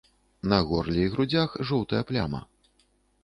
На горле і грудзях жоўтая пляма.